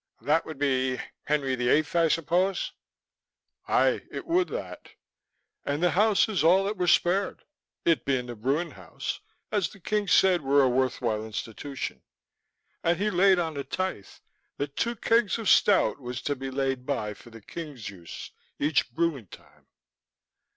"That would be Henry the Eighth, I suppose?" "Aye, it would that. And this house is all that were spared, it being the brewing house, as the king said were a worthwhile institution, and he laid on a tithe, that two kegs of stout was to be laid by for the king's use each brewing time."